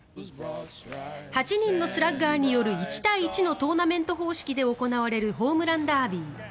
８人のスラッガーによる１対１のトーナメント方式で行われるホームランダービー。